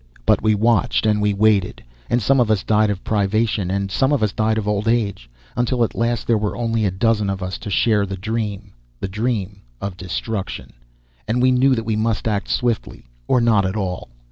"But we watched, and we waited. And some of us died of privation and some of us died of old age. Until, at last, there were only a dozen of us to share the dream. The dream of destruction. And we knew that we must act swiftly, or not at all.